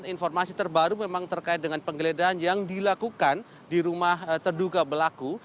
informasi terbaru memang terkait dengan penggeledahan yang dilakukan di rumah terduga pelaku